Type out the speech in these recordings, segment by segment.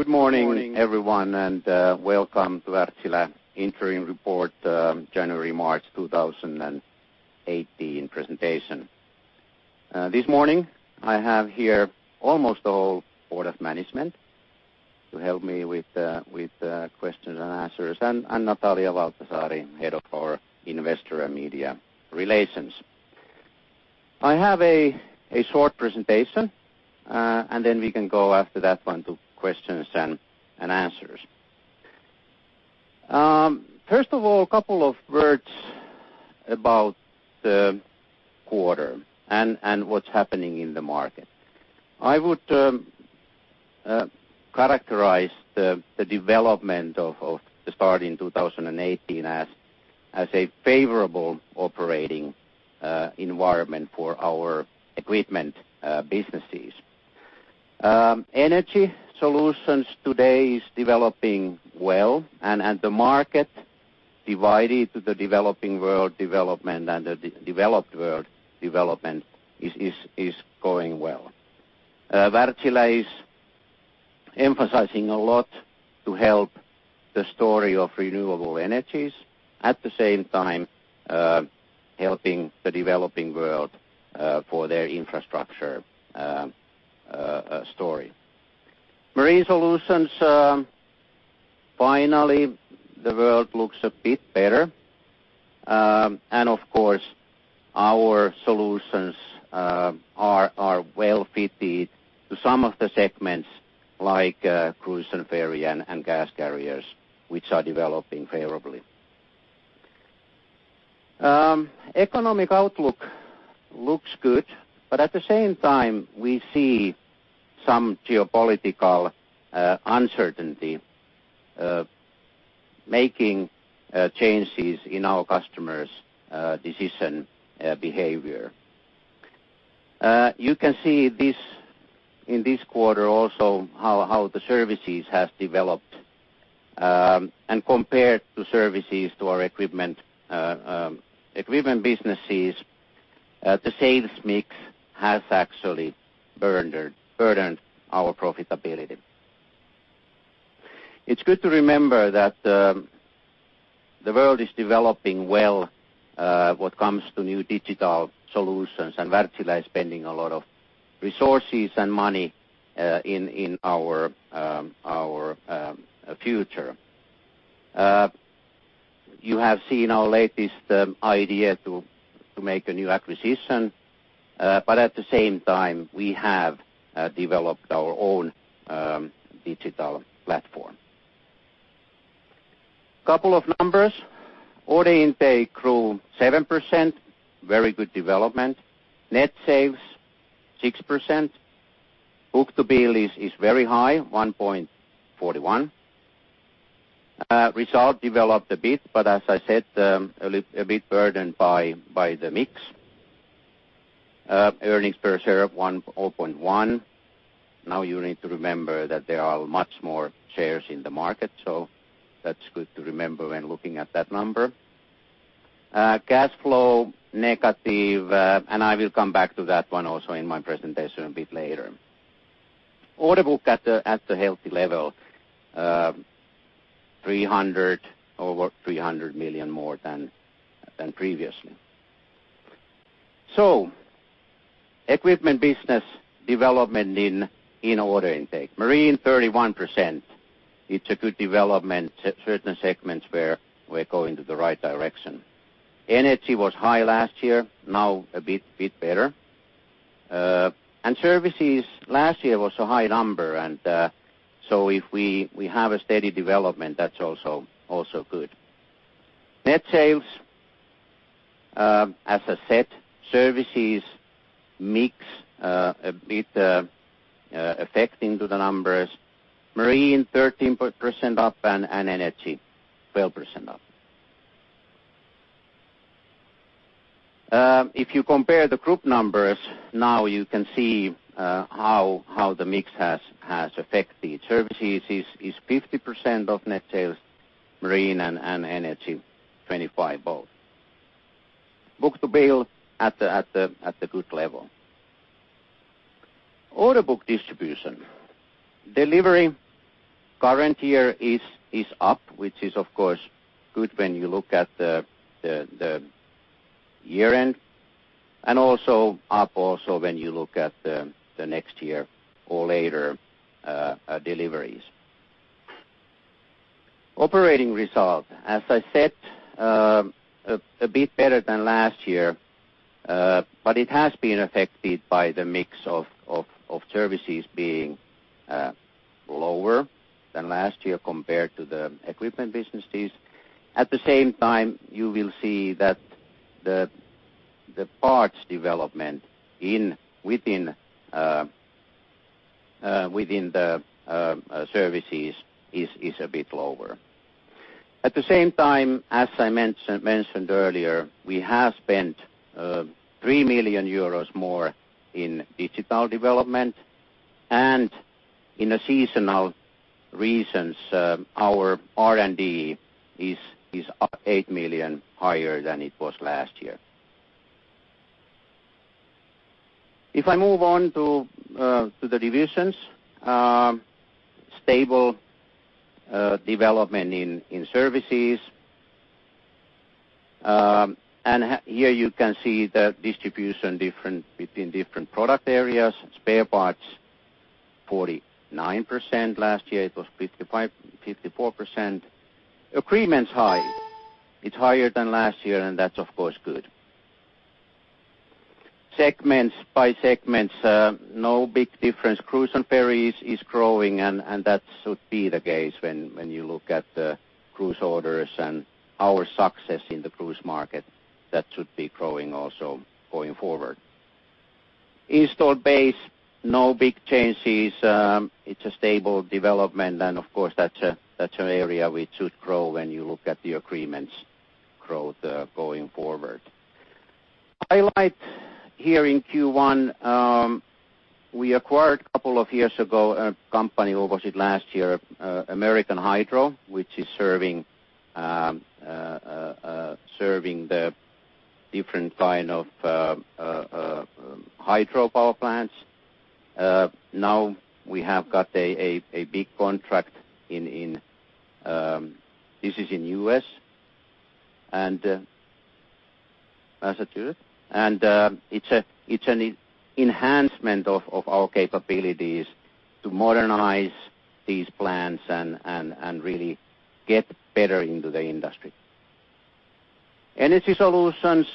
Good morning everyone, welcome to Wärtsilä Interim Report January-March 2018 presentation. This morning, I have here almost the whole board of management to help me with the questions and answers, and Natalia Valtasaari, head of our investor and media relations. I have a short presentation, then we can go after that one to questions and answers. First of all, couple of words about the quarter and what's happening in the market. I would characterize the development of the start in 2018 as a favorable operating environment for our equipment businesses. Energy Solutions today is developing well and the market divided to the developing world development and the developed world development is going well. Wärtsilä is emphasizing a lot to help the story of renewable energies, at the same time, helping the developing world, for their infrastructure story. Marine Solutions, finally, the world looks a bit better. Of course, our solutions are well fitted to some of the segments like cruise and ferry and gas carriers, which are developing favorably. Economic outlook looks good, at the same time, we see some geopolitical uncertainty making changes in our customers' decision behavior. You can see in this quarter also how the services has developed, compared to services to our equipment businesses, the sales mix has actually burdened our profitability. It's good to remember that the world is developing well, what comes to new digital solutions, Wärtsilä is spending a lot of resources and money in our future. You have seen our latest idea to make a new acquisition. At the same time, we have developed our own digital platform. Couple of numbers. Order intake grew 7%, very good development. Net sales, 6%. Book-to-bill is very high, 1.41. Result developed a bit, as I said, a bit burdened by the mix. Earnings per share up 1.1. Now you need to remember that there are much more shares in the market, that's good to remember when looking at that number. Cash flow negative, I will come back to that one also in my presentation a bit later. Order book at a healthy level, over 300 million more than previously. Equipment business development in order intake. Marine 31%. It's a good development. Certain segments where we're going to the right direction. Energy was high last year. Now a bit better. Services last year was a high number if we have a steady development, that's also good. Net sales, as I said, services mix a bit affecting to the numbers. Marine 13% up and Energy 12% up. If you compare the group numbers, now you can see how the mix has affected. Services is 50% of net sales, Marine and Energy 25 both. Book-to-bill at the good level. Order book distribution. Delivery current year is up, which is of course good when you look at the year-end and also up also when you look at the next year or later deliveries. Operating results, as I said, a bit better than last year, it has been affected by the mix of services being lower than last year compared to the equipment businesses. At the same time, you will see that the parts development within the services is a bit lower. At the same time, as I mentioned earlier, we have spent 3 million euros more in digital development and in a seasonal reasons, our R&D is up 8 million higher than it was last year. Stable development in services. Here you can see the distribution between different product areas and spare parts, 49%. Last year it was 54%. Agreements high. It's higher than last year, that's of course good. Segments by segments, no big difference. Cruise and ferries is growing, that should be the case when you look at the cruise orders and our success in the cruise market. That should be growing also going forward. Installed base, no big changes. It's a stable development, of course that's an area which should grow when you look at the agreements growth going forward. Highlight here in Q1, we acquired a couple of years ago, a company, or was it last year? American Hydro, which is serving the different kind of hydropower plants. We have got a big contract in the U.S., it's an enhancement of our capabilities to modernize these plants and really get better into the industry. Energy Solutions.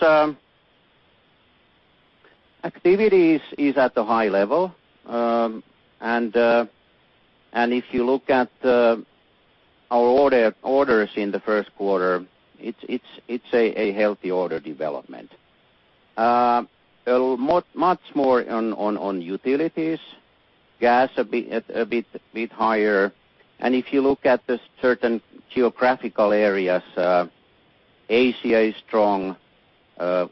Activity is at a high level. If you look at our orders in the first quarter, it's a healthy order development. Much more on utilities, gas a bit higher. If you look at the certain geographical areas, Asia is strong.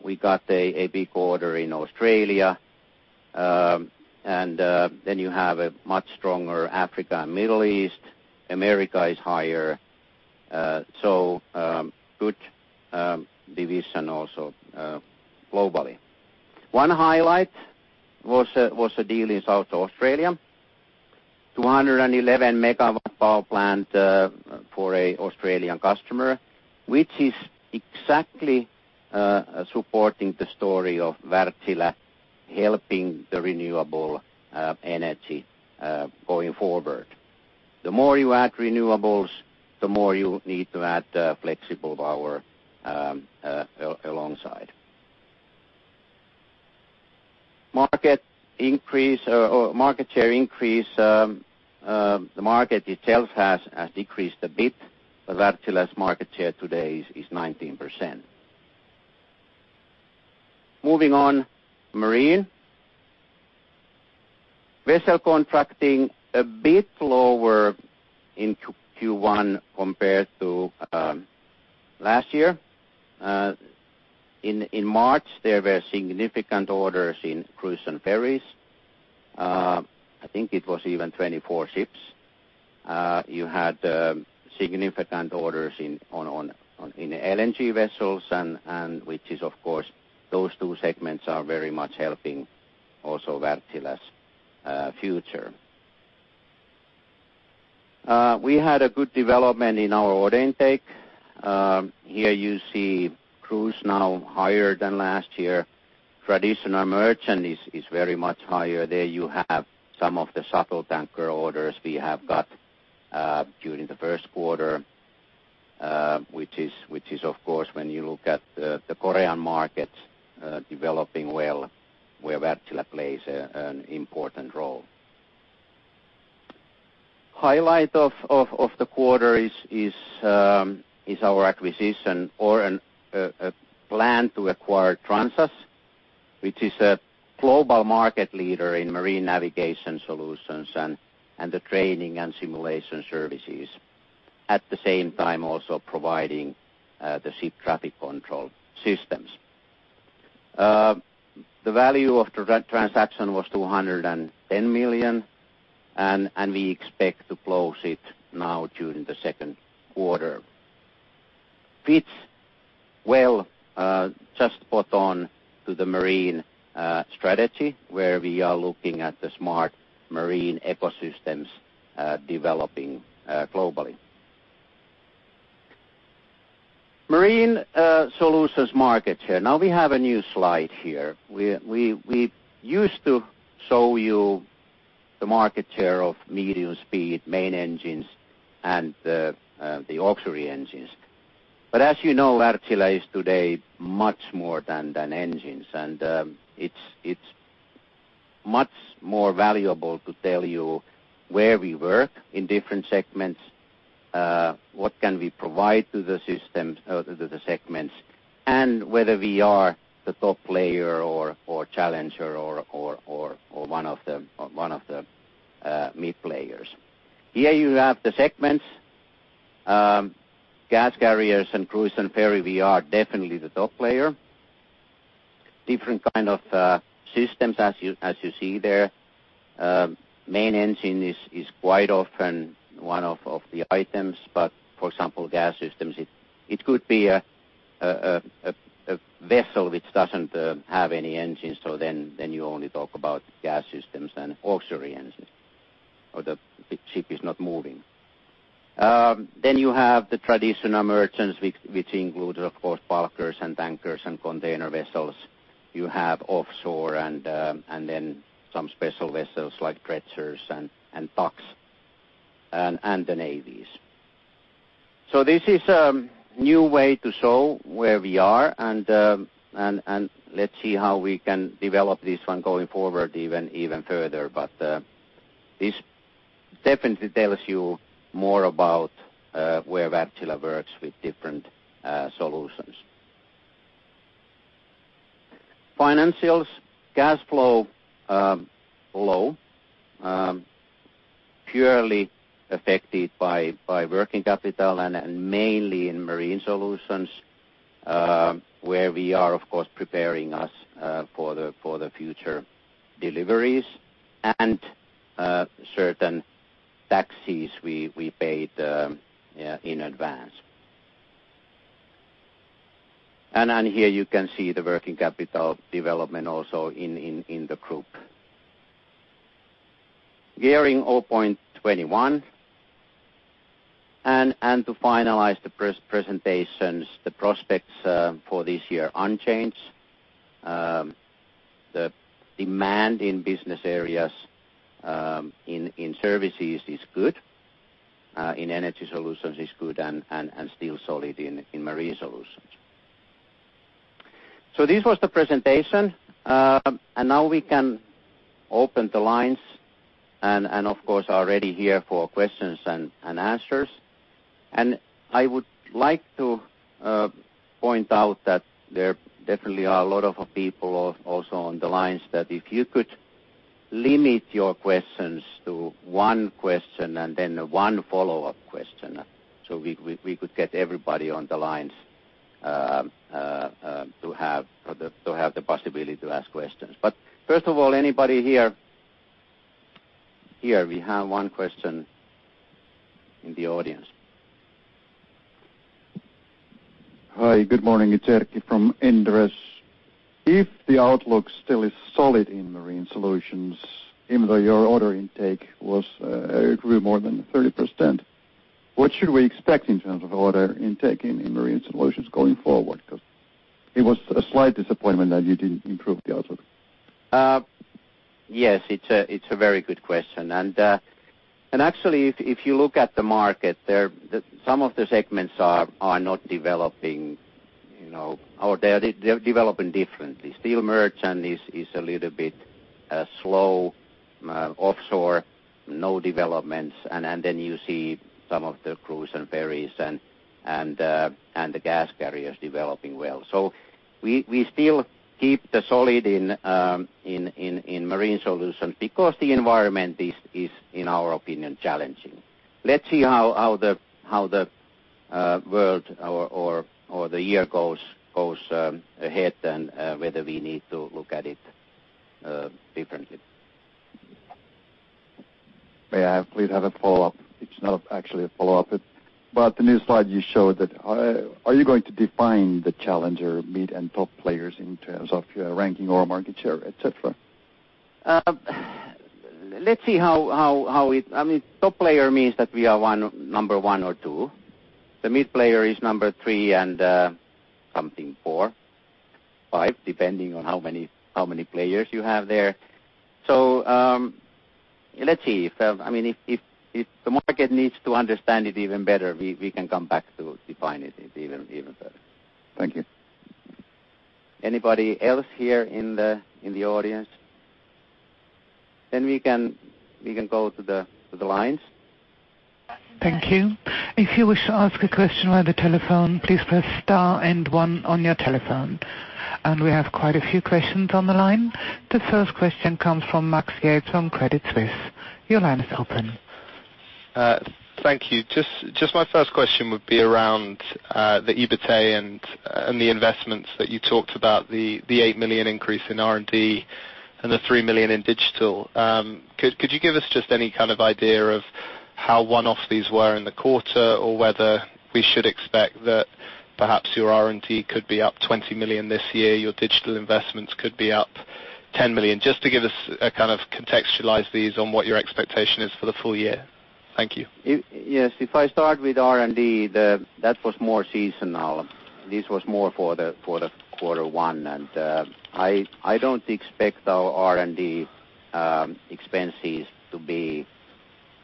We got a big order in Australia. You have a much stronger Africa and Middle East. America is higher. Good division also globally. One highlight was a deal in South Australia. 211 megawatt power plant for an Australian customer, which is exactly supporting the story of Wärtsilä helping the renewable energy going forward. The more you add renewables, the more you need to add flexible power alongside. Market share increase. The market itself has decreased a bit, Wärtsilä's market share today is 19%. Moving on, Marine. Vessel contracting a bit lower in Q1 compared to last year. In March, there were significant orders in cruise and ferries. I think it was even 24 ships. You had significant orders in LNG vessels which is, of course, those two segments are very much helping also Wärtsilä's future. We had a good development in our order intake. Here you see cruise now higher than last year. Traditional merchant is very much higher. There you have some of the shuttle tanker orders we have got during the first quarter, which is of course, when you look at the Korean market developing well, where Wärtsilä plays an important role. Highlight of the quarter is our acquisition or a plan to acquire Transas, which is a global market leader in marine navigation solutions and the training and simulation services, at the same time also providing the ship traffic control systems. The value of the transaction was 210 million, we expect to close it now during the second quarter. Fits well, just spot on to the Marine strategy, where we are looking at the Smart Marine Ecosystem developing globally. Marine Solutions market share. We have a new slide here. We used to show you the market share of medium speed main engines and the auxiliary engines. As you know, Wärtsilä is today much more than engines. It's much more valuable to tell you where we work in different segments, what can we provide to the segments, and whether we are the top player or challenger or one of the mid players. Here you have the segments. Gas carriers and Cruise and Ferry, we are definitely the top player. Different kind of systems as you see there. Main engine is quite often one of the items, but for example, gas systems, it could be a vessel which doesn't have any engines, so you only talk about gas systems and auxiliary engines, or the ship is not moving. You have the traditional merchants, which includes, of course, bulkers and tankers and container vessels. You have offshore and some special vessels like dredgers and tugs and the navies. This is a new way to show where we are, and let's see how we can develop this one going forward even further. This definitely tells you more about where Wärtsilä works with different solutions. Financials, cash flow, low. Purely affected by working capital and mainly in Marine Solutions, where we are, of course, preparing us for the future deliveries and certain taxes we paid in advance. Here you can see the working capital development also in the group. Gearing 0.21. To finalize the presentations, the prospects for this year, unchanged. The demand in business areas in Services is good. In Energy Solutions is good and still solid in Marine Solutions. This was the presentation. Now we can open the lines, and of course, are ready here for questions and answers. I would like to point out that there definitely are a lot of people also on the lines that if you could limit your questions to one question and then one follow-up question, so we could get everybody on the lines to have the possibility to ask questions. First of all, anybody here? Here, we have one question in the audience. Hi, good morning. It's Erkki from Inderes. If the outlook still is solid in Marine Solutions, even though your order intake grew more than 30%, what should we expect in terms of order intake in Marine Solutions going forward? It was a slight disappointment that you didn't improve the outlook. Yes, it's a very good question. Actually, if you look at the market, some of the segments are not developing, or they're developing differently. Steel merchant is a little bit slow. Offshore, no developments. Then you see some of the cruise and ferries and the gas carriers developing well. We still keep the solid in Marine Solutions because the environment is, in our opinion, challenging. Let's see how the world or the year goes ahead and whether we need to look at it differently. May I please have a follow-up? It's not actually a follow-up, but the new slide you showed. Are you going to define the challenger, mid, and top players in terms of your ranking or market share, et cetera? Let's see. Top player means that we are number one or two. The mid player is number three and something four, five, depending on how many players you have there. Let's see. If the market needs to understand it even better, we can come back to define it even further. Thank you. Anybody else here in the audience? We can go to the lines. Thank you. If you wish to ask a question over the telephone, please press star and one on your telephone. We have quite a few questions on the line. The first question comes from Max Yates from Credit Suisse. Your line is open. Thank you. My first question would be around the EBIT and the investments that you talked about, the 8 million increase in R&D and the 3 million in digital. Could you give us just any kind of idea of how one-off these were in the quarter or whether we should expect that perhaps your R&D could be up 20 million this year, your digital investments could be up 10 million? Just to give us a kind of contextualize these on what your expectation is for the full year. Thank you. Yes. If I start with R&D, that was more seasonal. This was more for the quarter one. I don't expect our R&D expenses to be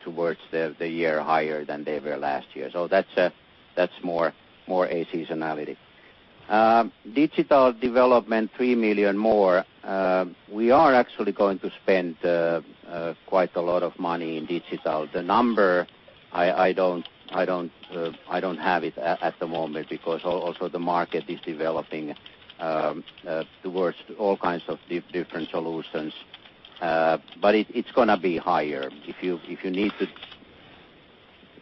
towards the year higher than they were last year. That's more a seasonality. Digital development, 3 million more. We are actually going to spend quite a lot of money in digital. The number, I don't have it at the moment because also the market is developing towards all kinds of different solutions. It's going to be higher. If you need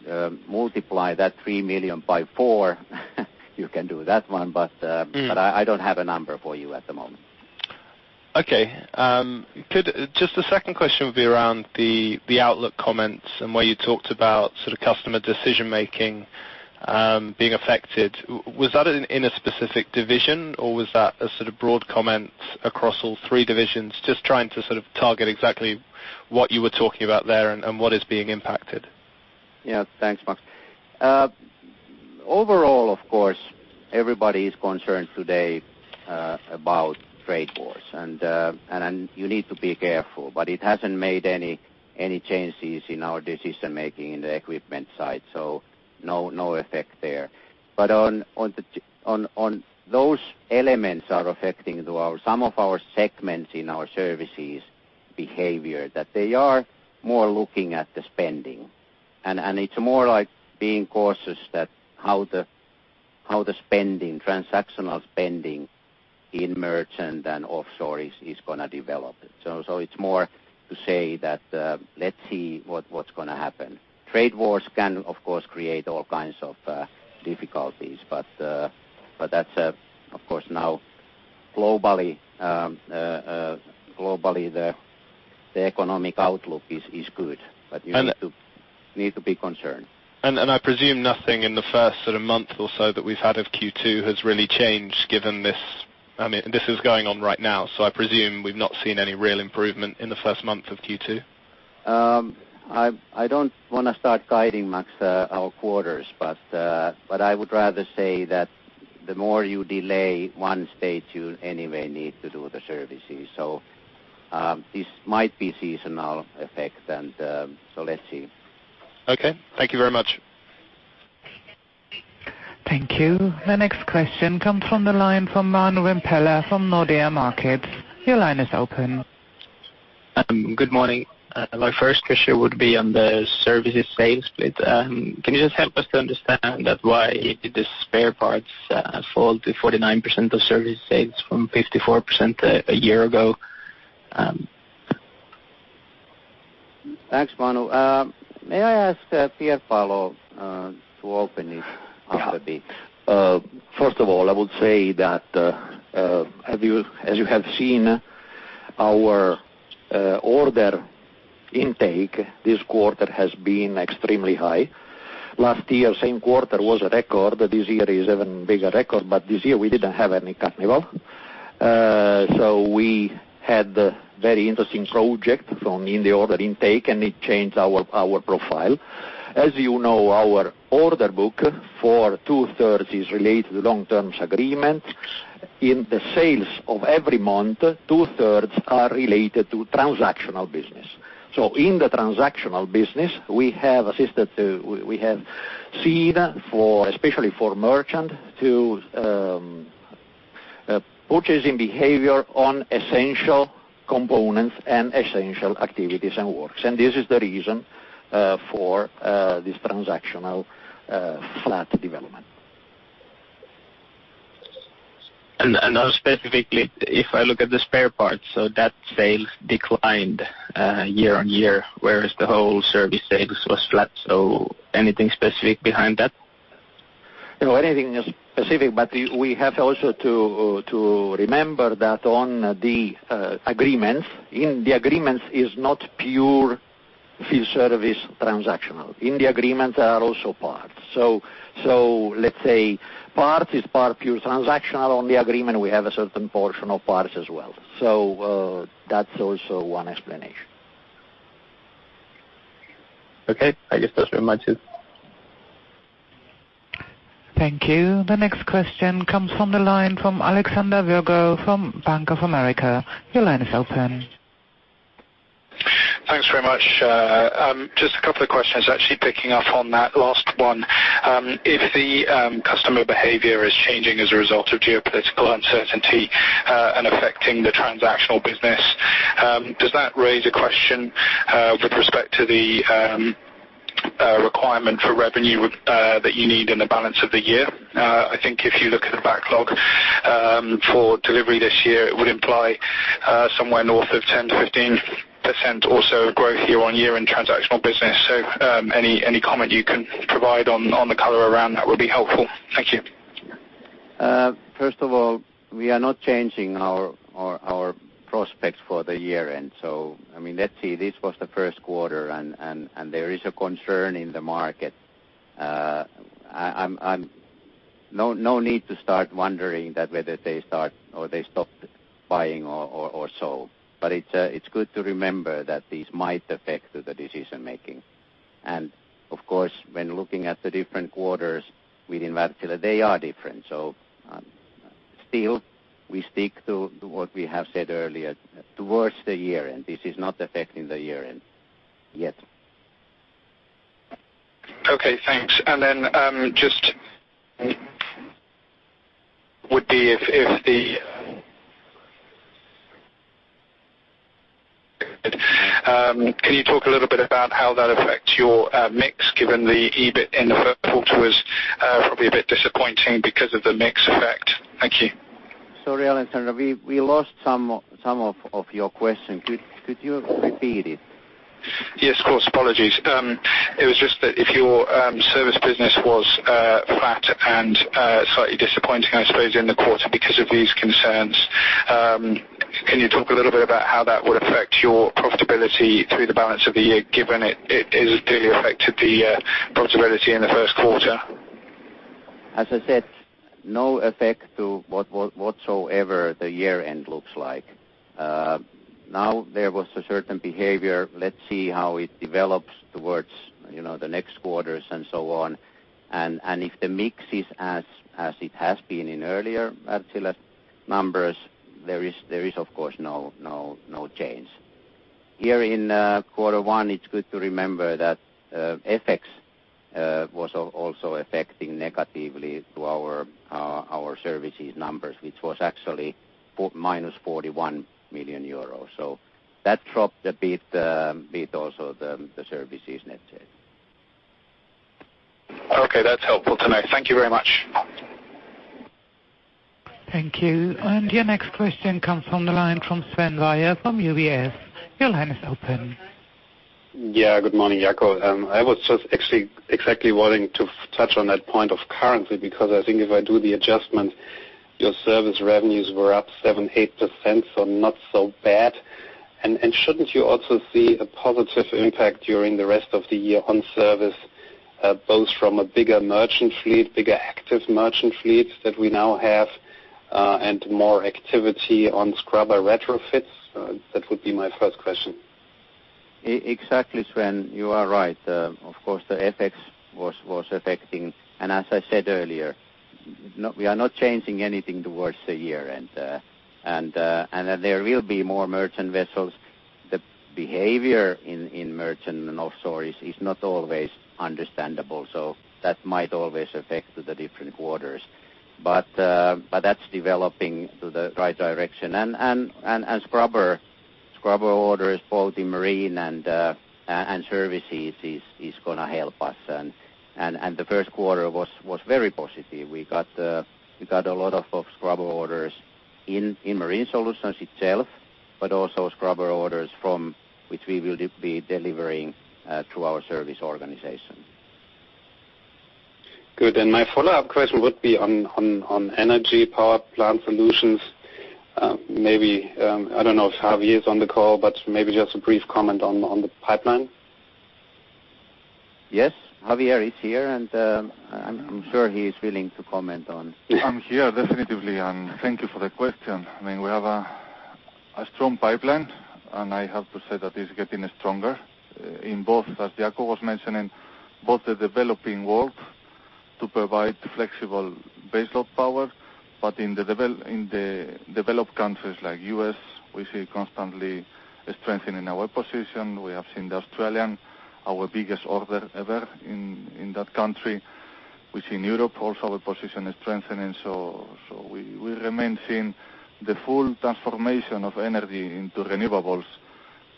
to multiply that 3 million by four, you can do that one, but I don't have a number for you at the moment. Okay. Just the second question would be around the outlook comments and where you talked about customer decision making being affected. Was that in a specific division, or was that a broad comment across all three divisions? Just trying to target exactly what you were talking about there and what is being impacted. Yeah. Thanks, Max. Overall, of course, everybody is concerned today about trade wars. You need to be careful, but it hasn't made any changes in our decision-making in the equipment side, so no effect there. Those elements are affecting some of our segments in our services behavior, that they are more looking at the spending. It's more like being cautious that how the transactional spending in merchant and offshore is going to develop. It's more to say that, let's see what's going to happen. Trade wars can, of course, create all kinds of difficulties. That's, of course, now globally, the economic outlook is good- And- You need to be concerned. I presume nothing in the first month or so that we've had of Q2 has really changed given This is going on right now, so I presume we've not seen any real improvement in the first month of Q2? I don't want to start guiding, Max, our quarters, but I would rather say that the more you delay stage 1, you'll anyway need to do the services. This might be seasonal effect. Let's see. Okay. Thank you very much. Thank you. The next question comes from the line from Manu Rimpelä from Nordea Markets. Your line is open. Good morning. My first question would be on the services sales bit. Can you just help us to understand that why did the spare parts fall to 49% of service sales from 54% a year ago? Thanks, Manu. May I ask Pierpaolo to open it up a bit? Yeah. First of all, I would say that as you have seen, our order intake this quarter has been extremely high. Last year, same quarter was a record. This year is even bigger record, but this year we didn't have any Carnival. We had very interesting project from in the order intake, and it changed our profile. As you know, our order book for two-thirds is related to long-term agreements. In the sales of every month, two-thirds are related to transactional business. In the transactional business, we have seen, especially for merchant, to purchasing behavior on essential components and essential activities and works. This is the reason for this transactional flat development. Now specifically, if I look at the spare parts, so that sales declined year-on-year, whereas the whole service sales was flat. Anything specific behind that? Anything specific, but we have also to remember that on the agreements, in the agreements is not pure field service transactional. In the agreement there are also parts. Let's say part is part pure transactional. On the agreement, we have a certain portion of parts as well. That's also one explanation. Okay. I guess that's very much it. Thank you. The next question comes from the line from Alexander Virgo from Bank of America. Your line is open. Thanks very much. Just a couple of questions, actually picking up on that last one. If the customer behavior is changing as a result of geopolitical uncertainty and affecting the transactional business, does that raise a question with respect to the requirement for revenue that you need in the balance of the year? I think if you look at the backlog for delivery this year, it would imply somewhere north of 10%-15% or so growth year-on-year in transactional business. Any comment you can provide on the color around that would be helpful. Thank you. First of all, we are not changing our prospects for the year-end. Let's see, this was the first quarter, and there is a concern in the market. No need to start wondering that whether they start or they stopped buying or so. It's good to remember that these might affect the decision making. Of course, when looking at the different quarters within Wärtsilä, they are different. Still, we stick to what we have said earlier towards the year-end. This is not affecting the year-end yet. Okay, thanks. Can you talk a little bit about how that affects your mix, given the EBIT in the first quarter was probably a bit disappointing because of the mix effect? Thank you. Sorry, Alexander, we lost some of your question. Could you repeat it? Yes, of course. Apologies. It was just that if your service business was flat and slightly disappointing, I suppose, in the quarter because of these concerns, can you talk a little bit about how that would affect your profitability through the balance of the year, given it has clearly affected the profitability in the first quarter? As I said, no effect to whatsoever the year-end looks like. There was a certain behavior. Let's see how it develops towards the next quarters and so on. If the mix is as it has been in earlier Wärtsilä numbers, there is of course no change. Here in quarter one, it's good to remember that FX was also affecting negatively to our services numbers, which was actually minus 41 million euros. That dropped a bit also the services net sales. Okay. That's helpful to know. Thank you very much. Thank you. Your next question comes from the line from Sven Weier from UBS. Your line is open. Good morning, Jaakko. I was just actually exactly wanting to touch on that point of currency because I think if I do the adjustment, your service revenues were up 78%, not so bad. Shouldn't you also see a positive impact during the rest of the year on service, both from a bigger merchant fleet, bigger active merchant fleets that we now have, and more activity on scrubber retrofits? That would be my first question. Exactly, Sven. You are right. Of course, the FX was affecting. As I said earlier, we are not changing anything towards the year-end. There will be more merchant vessels. The behavior in merchant and offshore is not always understandable, that might always affect the different quarters. That's developing to the right direction. Scrubber orders, both in Marine Solutions and services, is going to help us. The first quarter was very positive. We got a lot of scrubber orders in Marine Solutions itself, but also scrubber orders from which we will be delivering through our service organization. Good. My follow-up question would be on energy power plant solutions. I don't know if Javier is on the call, but maybe just a brief comment on the pipeline. Yes, Javier is here and I'm sure he's willing to comment on. I'm here definitively, and thank you for the question. We have a strong pipeline, and I have to say that it's getting stronger in both, as Jaakko was mentioning, both the developing world to provide flexible baseload power, but in the developed countries like U.S., we see constantly strengthening our position. We have seen the Australian, our biggest order ever in that country. We see in Europe also the position is strengthening. We remain seeing the full transformation of energy into renewables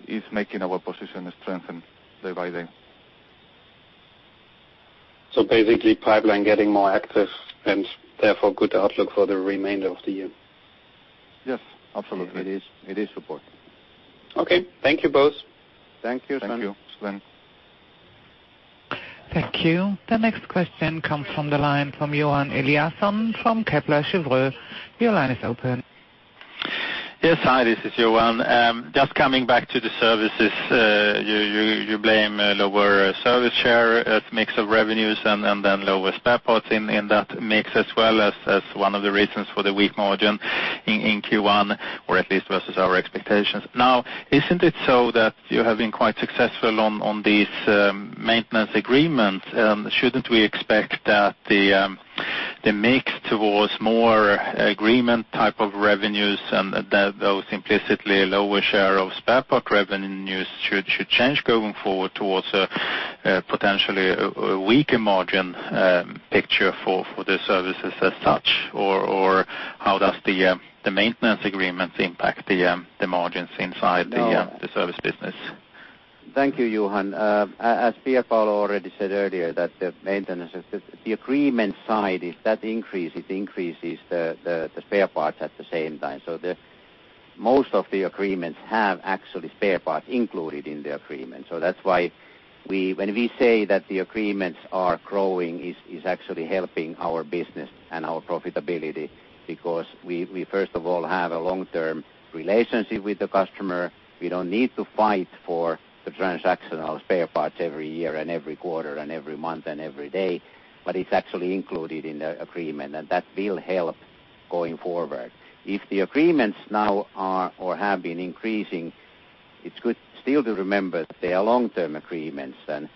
is making our position strengthen day by day. Basically pipeline getting more active and therefore good outlook for the remainder of the year. Yes, absolutely. It is supporting. Okay. Thank you both. Thank you, Sven. Thank you, Sven. Thank you. The next question comes from the line from Johan Eliason from Kepler Cheuvreux. Your line is open. Yes. Hi, this is Johan. Just coming back to the services. You blame lower service share as mix of revenues and then lower spare parts in that mix as well as one of the reasons for the weak margin in Q1, or at least versus our expectations. Isn't it so that you have been quite successful on these maintenance agreements? Shouldn't we expect that the mix towards more agreement type of revenues and those implicitly lower share of spare part revenues should change going forward towards potentially a weaker margin picture for the services as such? How does the maintenance agreements impact the margins inside the service business? Thank you, Johan. As Pierpaolo already said earlier, that the maintenance, the agreement side, if that increases, it increases the spare parts at the same time. Most of the agreements have actually spare parts included in the agreement. That's why when we say that the agreements are growing, it's actually helping our business and our profitability because we first of all have a long-term relationship with the customer. We don't need to fight for the transactional spare parts every year and every quarter and every month and every day, but it's actually included in the agreement, and that will help going forward. If the agreements now are or have been increasing, it's good still to remember they are long-term agreements, and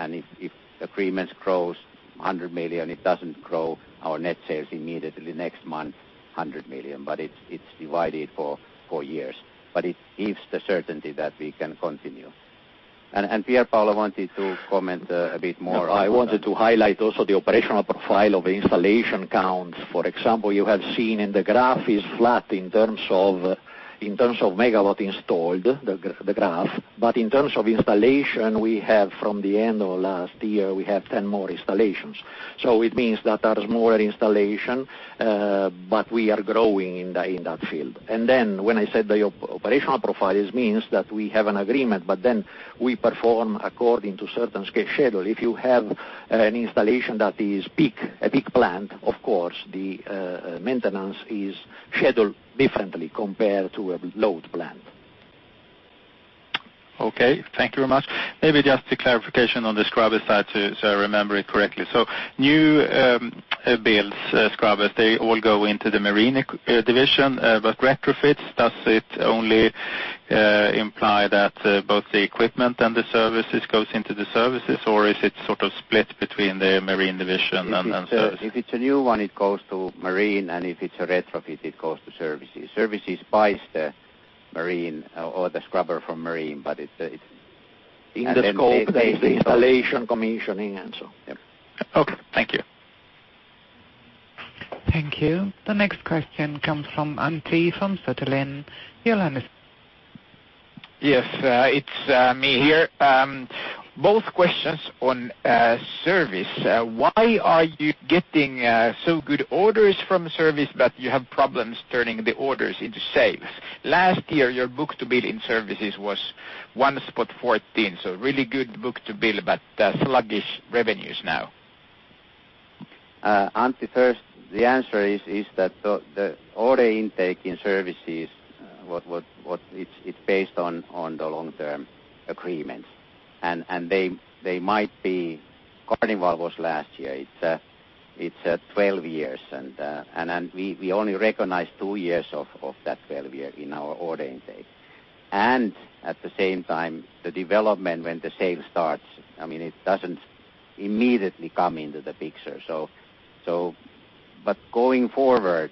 if agreements grows 100 million, it doesn't grow our net sales immediately next month 100 million, but it's divided for years. It gives the certainty that we can continue. Pierpaolo wanted to comment a bit more on that. I wanted to highlight also the operational profile of installation counts. For example, you have seen in the graph is flat in terms of megawatt installed, the graph. In terms of installation, we have from the end of last year, we have 10 more installations. It means that there is more installation, but we are growing in that field. When I said the operational profiles, means that we have an agreement, but then we perform according to certain scheduled. If you have an installation that is a big plant, of course, the maintenance is scheduled differently compared to a load plant. Okay. Thank you very much. Maybe just a clarification on the scrubber side too, so I remember it correctly. New builds scrubbers, they all go into the Marine Solutions. Retrofits, does it only imply that both the equipment and the services goes into the Services, or is it sort of split between the Marine Solutions and Services? If it's a new one, it goes to Marine Solutions, and if it's a retrofit, it goes to Services. Services buys the Marine Solutions or the scrubber from Marine Solutions. In the scope, the installation, commissioning, and so. Okay. Thank you. Thank you. The next question comes from Antti from Danske Bank. Your line is open. Yes, it's me here. Both questions on Services. Why are you getting so good orders from Services, but you have problems turning the orders into sales? Last year, your book-to-bill in Services was 1.14. Really good book-to-bill, but sluggish revenues now. Antti, first, the answer is that the order intake in Services, it's based on the long-term agreements. They might be, Carnival was last year. It's 12 years, and we only recognize two years of that 12 year in our order intake. At the same time, the development when the sale starts, it doesn't immediately come into the picture. Going forward,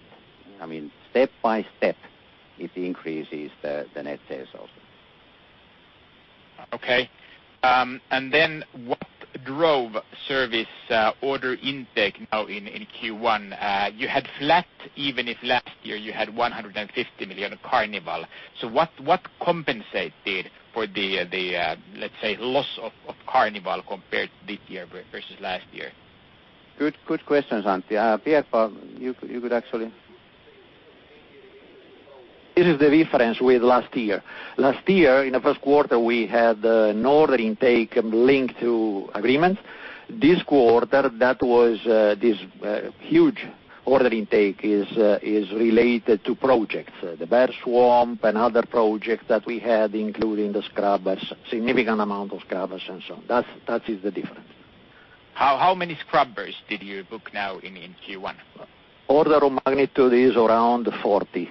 step by step, it increases the net sales also. Okay. What drove service order intake now in Q1? You had flat, even if last year you had 150 million Carnival. What compensated for the, let's say, loss of Carnival compared this year versus last year? Good questions, Antti. Pierpaolo, you could actually This is the difference with last year. Last year, in the first quarter, we had no order intake linked to agreements. This quarter, that was this huge order intake is related to projects, the Bear Swamp and other projects that we had, including the scrubbers, significant amount of scrubbers and so on. That is the difference. How many scrubbers did you book now in Q1? Order of magnitude is around 40.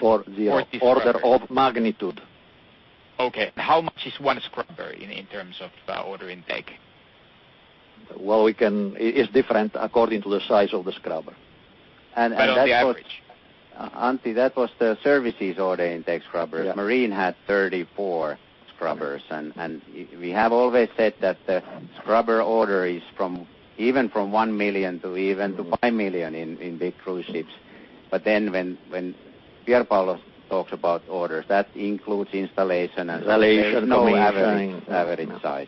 40 scrubbers. Order of magnitude. Okay. How much is one scrubber in terms of order intake? Well, it's different according to the size of the scrubber. On the average. Antti, that was the services order intake scrubber. Yeah. Marine had 34 scrubbers. We have always said that the scrubber order is even from one million to even to five million in big cruise ships. When Pierpaolo talks about orders, that includes installation. Installation, commissioning no average size.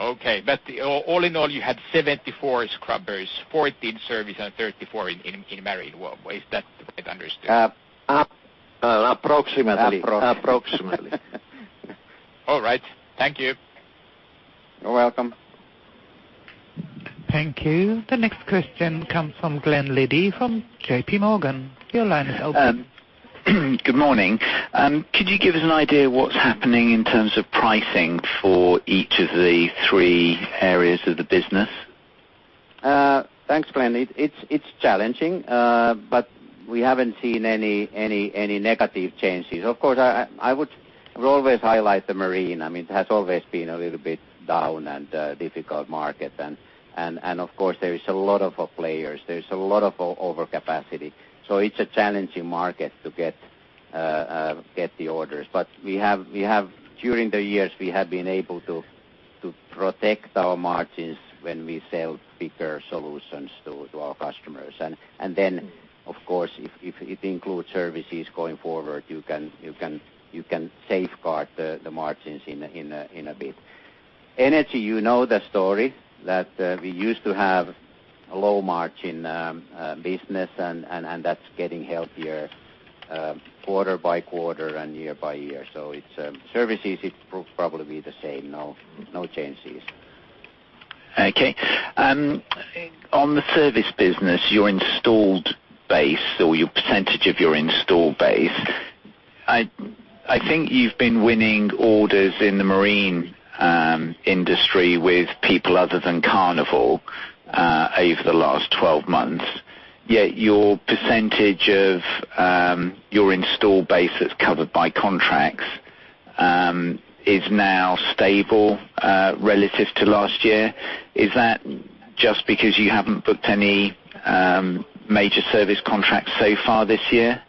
Okay. All in all, you had 74 scrubbers, 14 service and 34 in marine. Well, is that understood? Approximately. Approximately. All right. Thank you. You're welcome. Thank you. The next question comes from Glenn Liddy from J.P. Morgan. Your line is open. Good morning. Could you give us an idea what's happening in terms of pricing for each of the three areas of the business? Thanks, Glenn. It's challenging, but we haven't seen any negative changes. Of course, I would always highlight the marine. It has always been a little bit down and a difficult market. Of course, there is a lot of players, there's a lot of overcapacity. It's a challenging market to get the orders. During the years, we have been able to protect our margins when we sell bigger solutions to our customers. Then, of course, if it includes services going forward, you can safeguard the margins in a bit. Energy, you know the story, that we used to have a low margin business and that's getting healthier quarter by quarter and year by year. Services, it will probably be the same. No changes. Okay. On the service business, your installed base or your percentage of your installed base, I think you've been winning orders in the marine industry with people other than Carnival over the last 12 months, yet your percentage of your installed base that's covered by contracts is now stable relative to last year. Is that just because you haven't booked any major service contracts so far this year?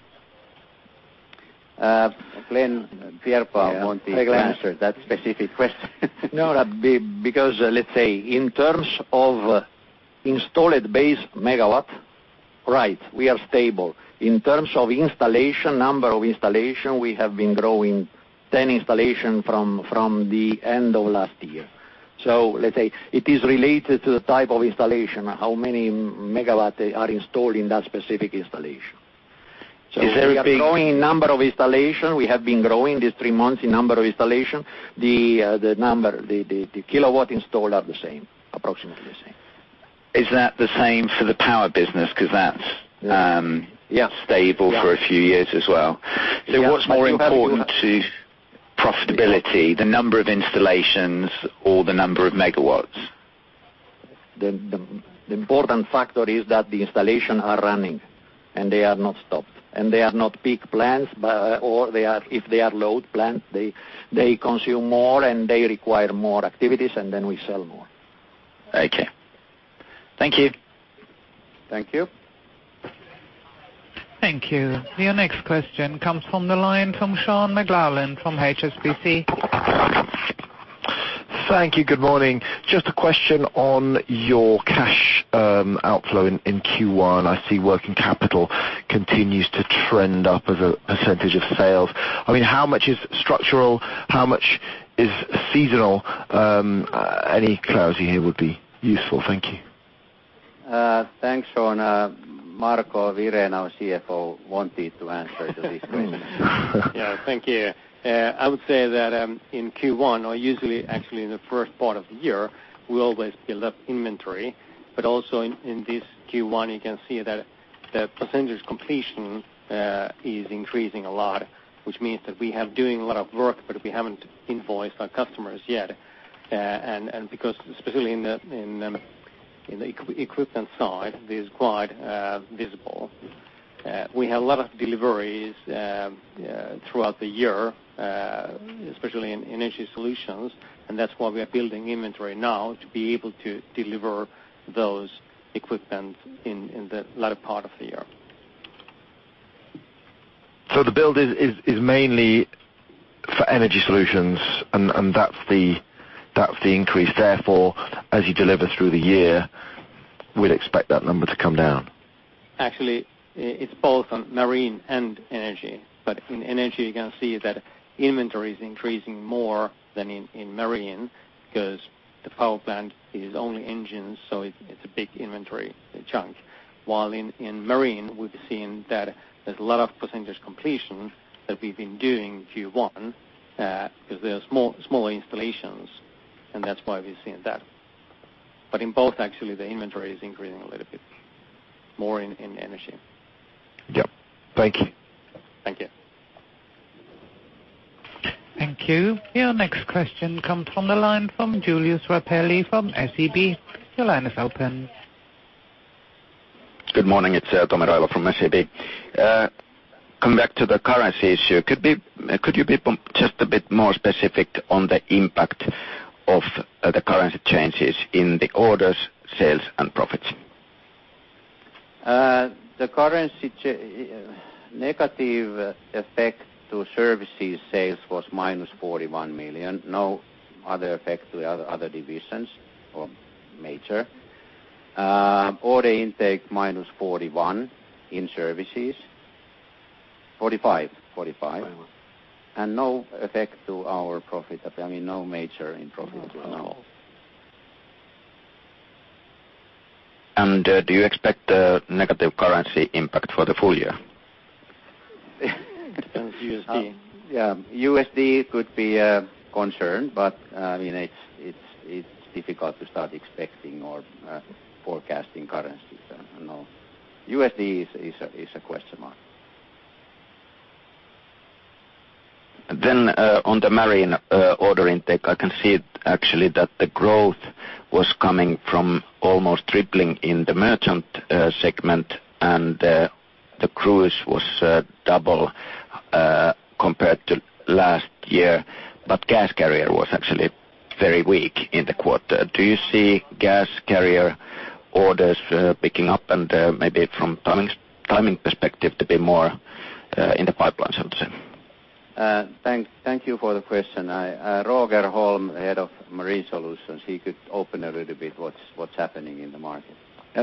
Glenn, Pierpaolo wants to answer that specific question. No, let's say, in terms of installed base megawatt, we are stable. In terms of number of installation, we have been growing 10 installation from the end of last year. Let's say, it is related to the type of installation, how many megawatts are installed in that specific installation. Is there a big- We are growing in number of installations. We have been growing these 3 months in number of installations. The kilowatts installed are approximately the same. Is that the same for the Energy Solutions business? Yes It's stable for a few years as well. Yeah. What's more important to profitability, the number of installations or the number of megawatts? The important factor is that the installations are running, and they are not stopped, and they are not peak plants. If they are load plants, they consume more and they require more activities, and then we sell more. Okay. Thank you. Thank you. Thank you. Your next question comes from the line from Sean McLoughlin from HSBC. Thank you. Good morning. Just a question on your cash outflow in Q1. I see working capital continues to trend up as a percentage of sales. How much is structural? How much is seasonal? Any clarity here would be useful. Thank you. Thanks, Sean. Marco Wirén, our CFO, wanted to answer to this question. Yeah. Thank you. I would say that in Q1, or usually actually in the first part of the year, we always build up inventory. Also in this Q1, you can see that the percentage completion is increasing a lot, which means that we have doing a lot of work, but we haven't invoiced our customers yet. Because especially in the equipment side, it is quite visible. We have a lot of deliveries throughout the year, especially in Energy Solutions, that's why we are building inventory now to be able to deliver those equipment in the latter part of the year. The build is mainly for Energy Solutions, and that's the increase. Therefore, as you deliver through the year, we'd expect that number to come down. Actually, it's both on Marine and Energy. In Energy, you can see that inventory is increasing more than in Marine because the power plant is only engines, so it's a big inventory chunk. While in Marine, we've seen that there's a lot of percentage completion that we've been doing Q1, because they're smaller installations, that's why we're seeing that. In both, actually, the inventory is increasing a little bit more in Energy. Yep. Thank you. Thank you. Thank you. Your next question comes from the line from Tomi Rapeli from SEB. Your line is open. Good morning. It's Tomi Rapeli from SEB. Coming back to the currency issue, could you be just a bit more specific on the impact of the currency changes in the orders, sales, and profits? The negative effect to services sales was minus 41 million. No other effect to other divisions, or major. Order intake minus 41 million in services. 45 million. Forty-one. No effect to our profit. No major in profit at all. No. Do you expect a negative currency impact for the full year? Depends on USD. Yeah. USD could be a concern. It's difficult to start expecting or forecasting currencies. I don't know. USD is a question mark. On the marine order intake, I can see it actually that the growth was coming from almost tripling in the merchant segment, and the cruise was double compared to last year. Gas carrier was actually very weak in the quarter. Do you see gas carrier orders picking up and maybe from timing perspective to be more in the pipeline, so to say? Thank you for the question. Roger Holm, Head of Marine Solutions, he could open a little bit what's happening in the market.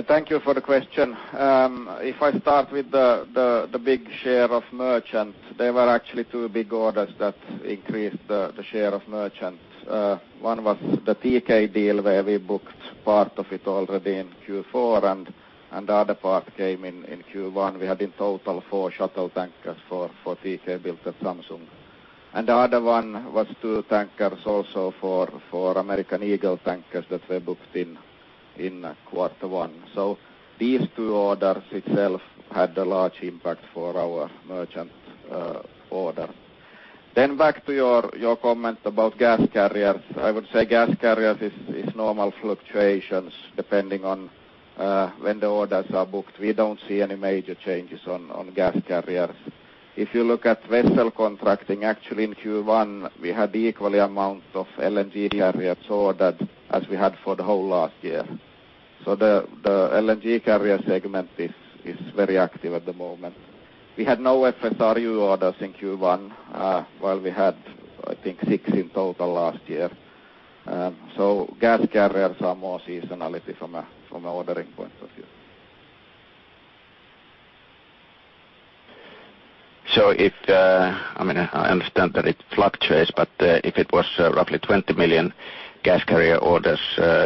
Thank you for the question. If I start with the big share of merchant, there were actually 2 big orders that increased the share of merchant. One was the TK deal where we booked part of it already in Q4, and the other part came in Q1. We had in total 4 shuttle tankers for TK built at Samsung. The other one was 2 tankers also for American Eagle Tankers that were booked in Q1. These 2 orders itself had a large impact for our merchant order. Back to your comment about gas carriers. I would say gas carriers is normal fluctuations depending on when the orders are booked. We don't see any major changes on gas carriers. If you look at vessel contracting, actually in Q1, we had equally amount of LNG carriers ordered as we had for the whole last year. The LNG carrier segment is very active at the moment. We had no FSRU orders in Q1, while we had, I think, 6 in total last year. Gas carriers are more seasonality from an ordering point of view. I understand that it fluctuates, but if it was roughly 20 million gas carrier orders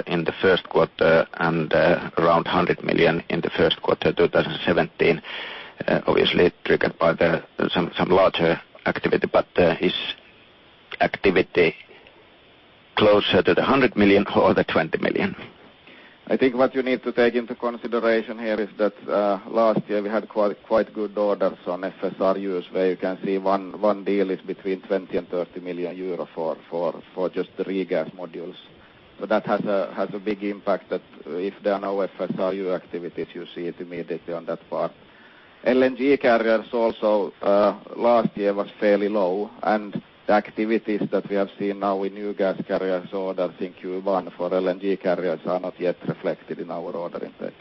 in Q1 and around 100 million in Q1 2017, obviously triggered by some larger activity, but is activity closer to the 100 million or the 20 million? I think what you need to take into consideration here is that, last year, we had quite good orders on FSRUs where you can see one deal is between 20 million and 30 million euro for just the regasification modules. That has a big impact that if there are no FSRU activities, you see it immediately on that part. LNG carriers also, last year, was fairly low, and the activities that we have seen now with new gas carrier orders in Q1 for LNG carriers are not yet reflected in our ordering base.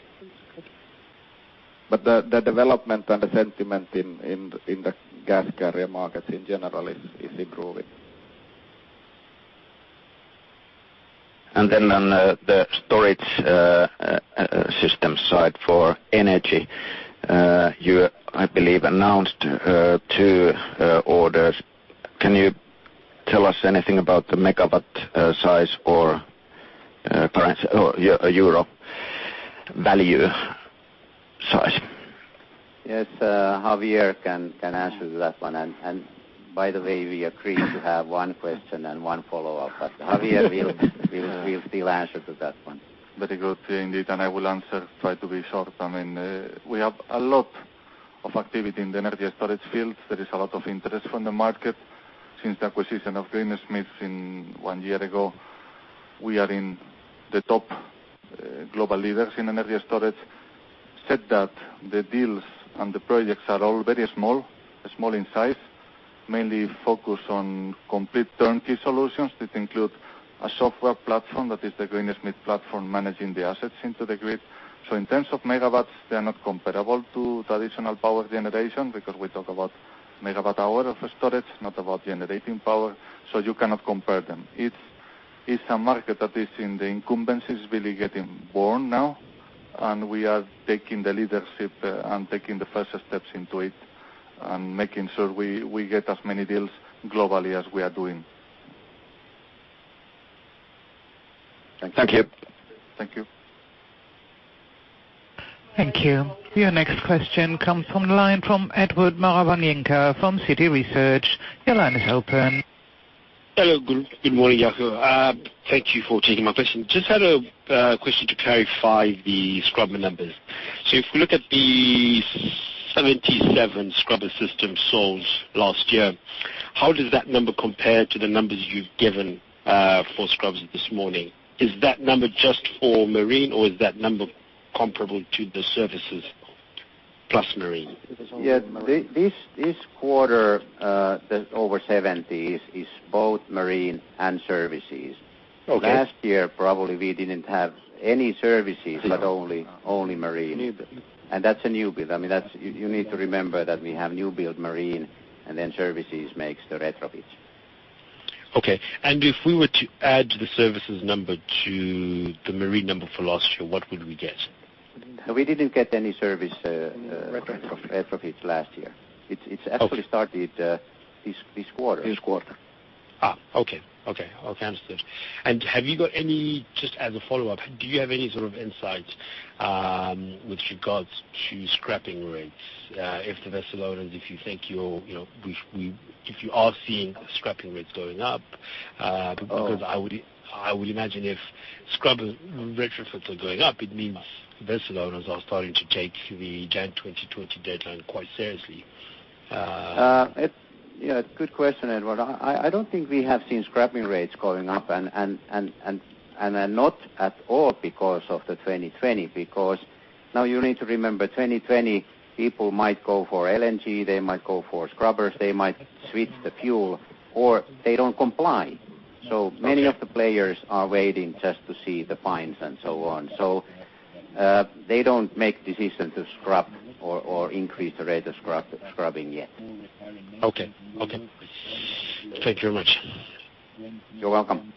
The development and the sentiment in the gas carrier market in general is improving. On the storage system side for energy, you, I believe, announced two orders. Can you tell us anything about the MW size or EUR value size? Yes. Javier can answer to that one. By the way, we agreed to have one question and one follow-up. Javier will still answer to that one. Very good. Indeed, I will answer, try to be short. We have a lot of activity in the energy storage field. There is a lot of interest from the market. Since the acquisition of Greensmith one year ago, we are in the top global leaders in energy storage. Said that, the deals and the projects are all very small in size, mainly focused on complete turnkey solutions that include a software platform that is the Greensmith platform, managing the assets into the grid. In terms of MW, they are not comparable to traditional power generation because we talk about MWh of storage, not about generating power, so you cannot compare them. It's a market that is in the infancy, is really getting born now, we are taking the leadership and taking the first steps into it and making sure we get as many deals globally as we are doing. Thank you. Thank you. Thank you. Your next question comes from the line from Edward Morawiecki from Citi Research. Your line is open. Hello. Good morning, Jaakko. Thank you for taking my question. Just had a question to clarify the scrubber numbers. If we look at the 77 scrubber systems sold last year, how does that number compare to the numbers you've given for scrubbers this morning? Is that number just for marine, or is that number comparable to the services plus marine? Yeah. This quarter, over 70, is both marine and services. Okay. Last year, probably we didn't have any services, but only marine. Newbuild. That's a newbuild. You need to remember that we have newbuild marine and then services makes the retrofit. Okay. If we were to add the services number to the marine number for last year, what would we get? No, we didn't get any service retrofits last year. It's actually started this quarter. This quarter. Okay. Understood. Have you got any, just as a follow-up, do you have any sort of insights, with regards to scrapping rates? If the vessel owners, if you think, if you are seeing scrapping rates going up, because I would imagine if scrubber retrofits are going up, it means vessel owners are starting to take the January 2020 deadline quite seriously. Yeah. Good question, Edward. I don't think we have seen scrapping rates going up and not at all because of the 2020, because now you need to remember 2020, people might go for LNG, they might go for scrubbers, they might switch the fuel, or they don't comply. Many of the players are waiting just to see the fines and so on. They don't make decision to scrap or increase the rate of scrubbing yet. Okay. Thank you very much. You're welcome.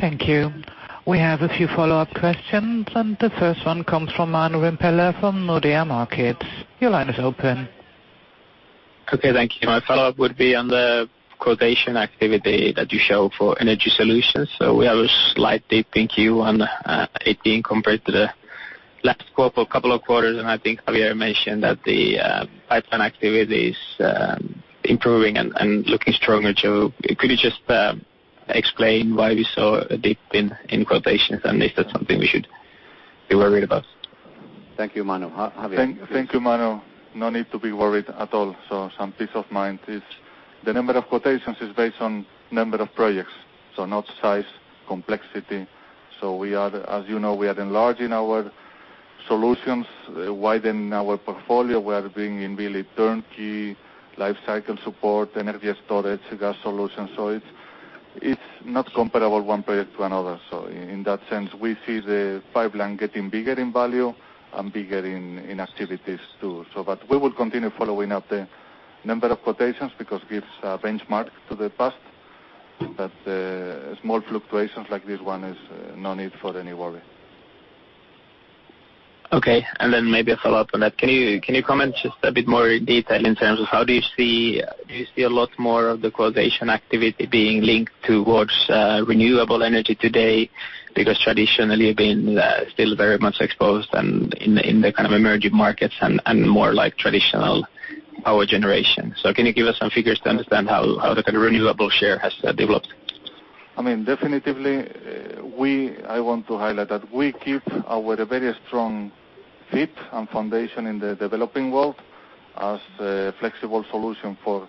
Thank you. We have a few follow-up questions. The first one comes from Manu Rimpelä from Nordea Markets. Your line is open. Okay, thank you. My follow-up would be on the quotation activity that you show for Energy Solutions. We have a slight dip in Q1 2018 compared to the last couple of quarters. I think Javier mentioned that the pipeline activity is improving and looking stronger. Could you just explain why we saw a dip in quotations and is that something we should be worried about? Thank you, Manu. Javier? Thank you, Manu. No need to be worried at all. Some peace of mind is the number of quotations is based on number of projects, not size, complexity. As you know, we are enlarging our solutions widen our portfolio. We are being really turnkey, life cycle support, energy storage, gas solutions. It's not comparable one project to another. In that sense, we see the pipeline getting bigger in value and bigger in activities too. We will continue following up the number of quotations because it gives a benchmark to the past. Small fluctuations like this one is no need for any worry. Okay. Maybe a follow-up on that. Can you comment just a bit more detail in terms of do you see a lot more of the quotation activity being linked towards renewable energy today? Because traditionally, you've been still very much exposed and in the kind of emerging markets and more traditional power generation. Can you give us some figures to understand how the kind of renewable share has developed? Definitely, I want to highlight that we keep our very strong feet and foundation in the developing world as a flexible solution for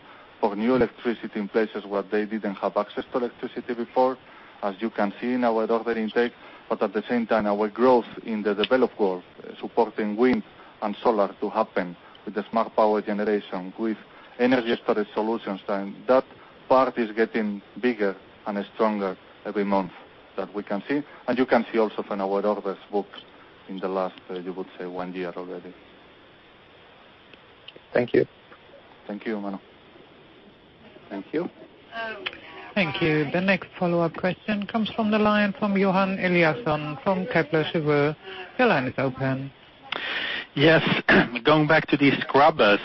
new electricity in places where they didn't have access to electricity before, as you can see in our order intake. At the same time, our growth in the developed world, supporting wind and solar to happen with the Smart Power Generation, with energy storage solutions. That part is getting bigger and stronger every month that we can see. You can see also from our orders booked in the last, you could say, one year already. Thank you. Thank you, Manu. Thank you. Thank you. The next follow-up question comes from the line from Johan Eliason from Kepler Cheuvreux. Your line is open. Yes. Going back to the scrubbers,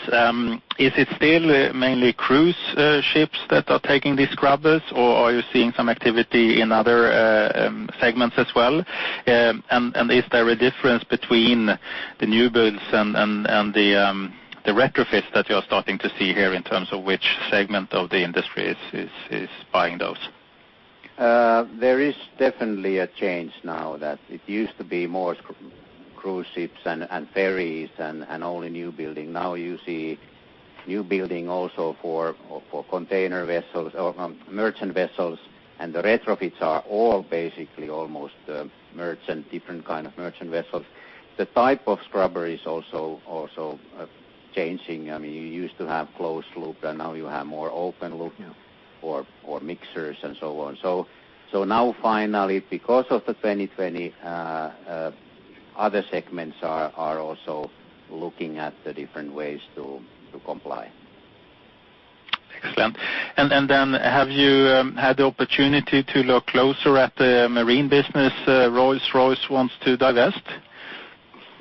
is it still mainly cruise ships that are taking these scrubbers, or are you seeing some activity in other segments as well? Is there a difference between the new builds and the retrofits that you're starting to see here in terms of which segment of the industry is buying those? There is definitely a change now that it used to be more cruise ships and ferries and only new building. You see new building also for container vessels or merchant vessels, and the retrofits are all basically almost different kind of merchant vessels. The type of scrubber is also changing. You used to have closed loop, and now you have more open loop or mixers and so on. Now finally, because of the 2020, other segments are also looking at the different ways to comply. Excellent. Have you had the opportunity to look closer at the marine business Rolls-Royce wants to divest?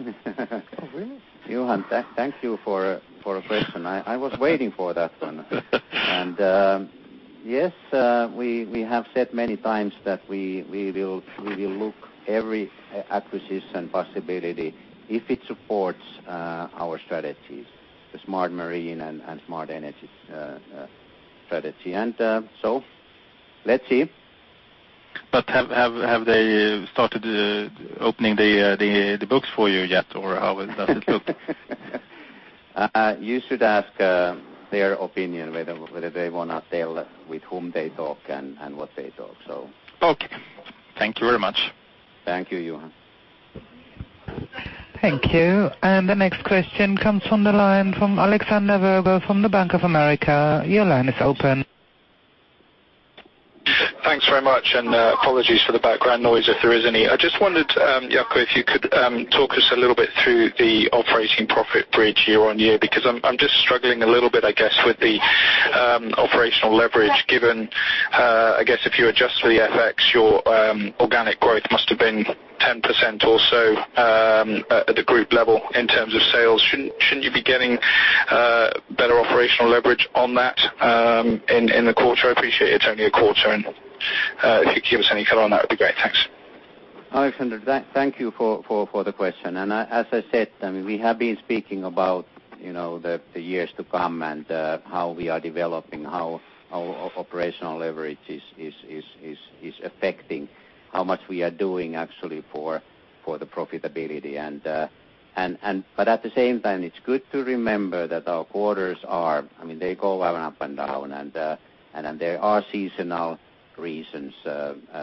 Oh, really? Johan, thank you for the question. I was waiting for that one. Yes, we have said many times that we will look every acquisition possibility if it supports our strategies, the Smart Marine and Smart Energy strategy. Let's see. Have they started opening the books for you yet, or how does it look? You should ask their opinion whether they want to tell with whom they talk and what they talk. Okay. Thank you very much. Thank you, Johan. Thank you. The next question comes from the line from Alexander Virgo from the Bank of America. Your line is open. Thanks very much. Apologies for the background noise if there is any. I just wondered, Jaakko, if you could talk us a little bit through the operating profit bridge year-on-year, because I'm just struggling a little bit, I guess, with the operational leverage given, I guess if you adjust for the FX, your organic growth must have been 10% or so at the group level in terms of sales. Shouldn't you be getting better operational leverage on that in the quarter? I appreciate it's only a quarter. If you could give us any color on that, it'd be great. Thanks. Alexander, thank you for the question. As I said, we have been speaking about the years to come and how we are developing, how our operational leverage is affecting how much we are doing actually for the profitability. At the same time, it's good to remember that our quarters are, they go up and down, and there are seasonal reasons. Now,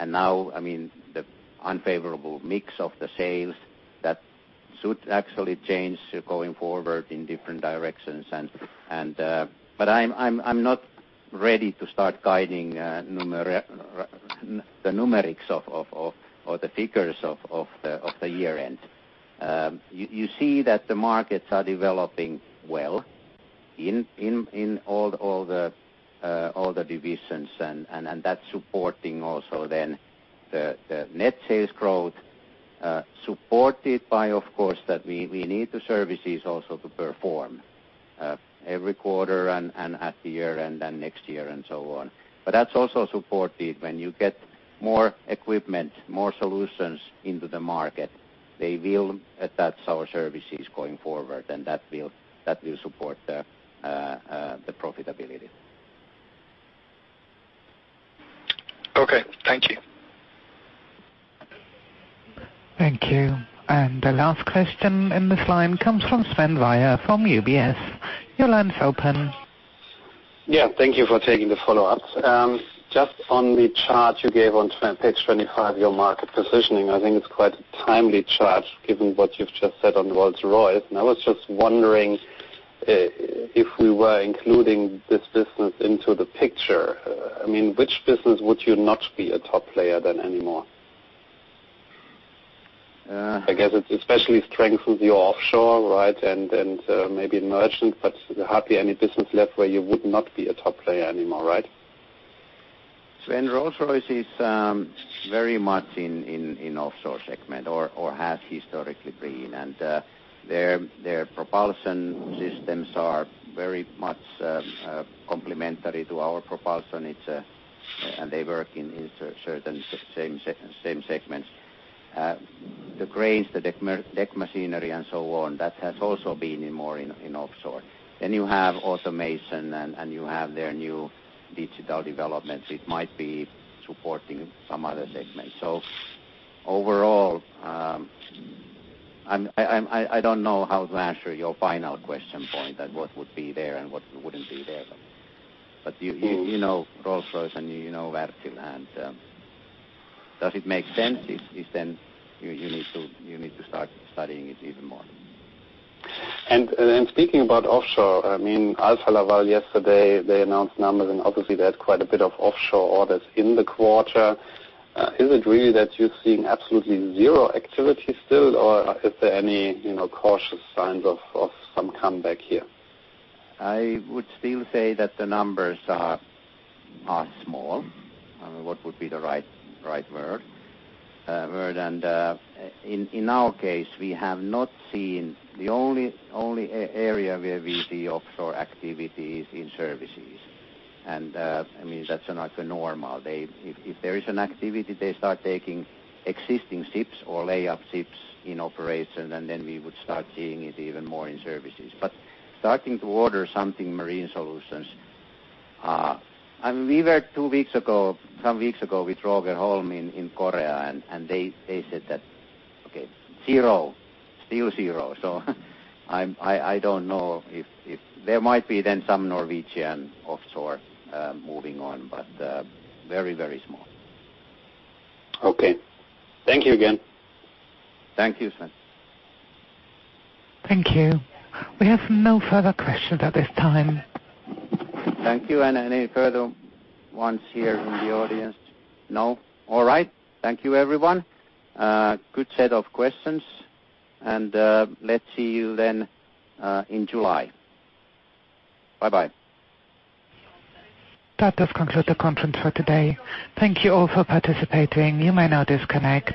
the unfavorable mix of the sales that should actually change going forward in different directions. I'm not ready to start guiding the numerics or the figures of the year-end. You see that the markets are developing well in all the divisions, that's supporting also the net sales growth, supported by, of course, that we need the services also to perform every quarter and at the year-end and next year and so on. That's also supported when you get more equipment, more solutions into the market. They will attach our services going forward, that will support the profitability. Okay. Thank you. Thank you. The last question in this line comes from Sven Weier from UBS. Your line is open Yeah. Thank you for taking the follow-ups. Just on the chart you gave on page 25, your market positioning, I think it's quite a timely chart given what you've just said on Rolls-Royce. I was just wondering if we were including this business into the picture, which business would you not be a top player then anymore? I guess it especially strengthens your offshore, right? Maybe merchant, but hardly any business left where you would not be a top player anymore, right? Sven, Rolls-Royce is very much in offshore segment or has historically been. Their propulsion systems are very much complementary to our propulsion. They work in certain same segments. The cranes, the deck machinery and so on, that has also been more in offshore. You have automation and you have their new digital developments, it might be supporting some other segments. Overall, I don't know how to answer your final question point that what would be there and what wouldn't be there. You know Rolls-Royce and you know Wärtsilä, and does it make sense? You need to start studying it even more. Speaking about offshore, Alfa Laval yesterday, they announced numbers and obviously they had quite a bit of offshore orders in the quarter. Is it really that you're seeing absolutely zero activity still, or is there any cautious signs of some comeback here? I would still say that the numbers are small. What would be the right word? In our case, the only area where we see offshore activity is in services. That's not normal. If there is an activity, they start taking existing ships or lay up ships in operation, we would start seeing it even more in services. Starting to order something Marine Solutions. We were two weeks ago, some weeks ago with Roger Holm in Korea. They said that, "Okay, zero. Still zero." I don't know if there might be then some Norwegian offshore moving on, but very, very small. Okay. Thank you again. Thank you, Sven. Thank you. We have no further questions at this time. Thank you. Any further ones here from the audience? No? All right. Thank you everyone. Good set of questions, let's see you then in July. Bye-bye. That does conclude the conference for today. Thank you all for participating. You may now disconnect.